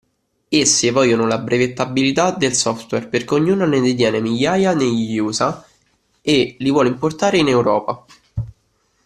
Esse vogliono la brevettabilità del software perché ognuna ne detiene migliaia negli USA e li vuole importare in Europa.